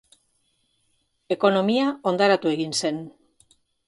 Ekonomia hondaratu egin zen.